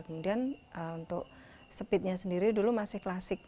kemudian untuk speednya sendiri dulu masih klasik